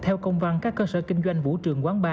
theo công văn các cơ sở kinh doanh vũ trường quán bar